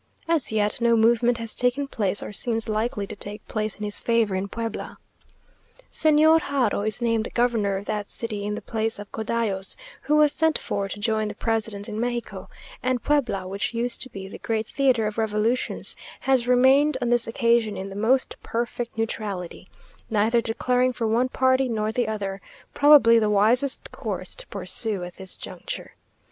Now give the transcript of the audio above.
As yet, no movement has taken place or seems likely to take place in his favour in Puebla. Señor Haro is named governor of that city in the place of Codallos, who was sent for to join the president in Mexico; and Puebla, which used to be the great theatre of revolutions, has remained on this occasion in the most perfect neutrality, neither declaring for one party nor the other; probably the wisest course to pursue at this juncture.